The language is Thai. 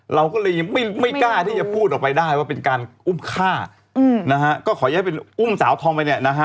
เราก็เลยยังไม่กล้าที่จะพูดออกไปได้ว่าเป็นการอุ้มฆ่านะฮะก็ขอให้เป็นอุ้มสาวทองไปเนี่ยนะฮะ